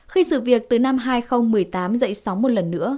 khi sự việc từ năm hai nghìn một mươi tám dậy sóng một lần nữa